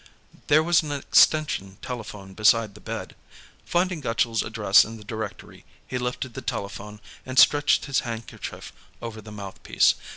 There was an extension telephone beside the bed. Finding Gutchall's address in the directory, he lifted the telephone, and stretched his handkerchief over the mouthpiece.